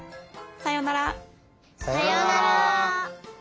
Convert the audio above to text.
さようなら！